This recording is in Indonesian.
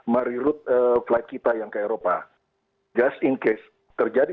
namun untuk keselamatan penumpang ini rekomendasi yang memiliki sistem demokrasi